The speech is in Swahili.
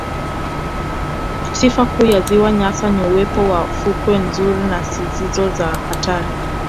Sifa kuu ya ziwa Nyasa ni uwepo wa fukwe nzuri na zisizo za hatari